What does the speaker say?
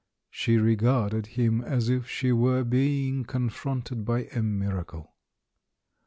She regarded him as if she were be ing confronted by a miracle.